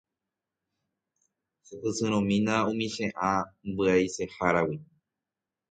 Chepysyrõmína umi che ã mbyaiseháragui.